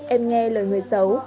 em nghe lời người xấu